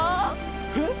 えっ？